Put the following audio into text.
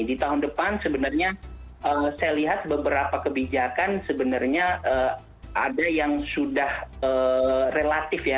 di tahun depan sebenarnya saya lihat beberapa kebijakan sebenarnya ada yang sudah relatif ya